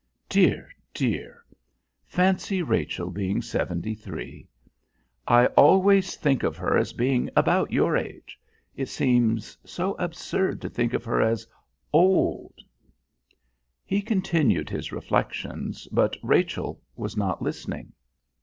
Dear, dear. Fancy Rachel being seventy three! I always think of her as being about your age. It seems so absurd to think of her as old...." He continued his reflections, but Rachel was not listening.